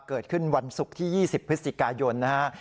เกิดขึ้นวันศุกร์ที่๒๐พฤศจิกายนนะฮะ